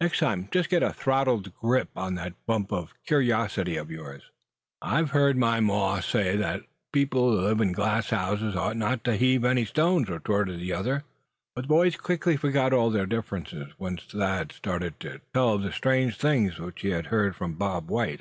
"Next time just get a throttle grip on that bump of curiosity of yours." "I've heard my maw say people that live in glass houses hadn't ought to heave any stones," retorted the other, witheringly. But the boys quickly forgot all their differences, once Thad started to tell of the strange things which he had heard from Bob White.